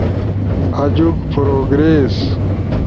آجوک پروگریس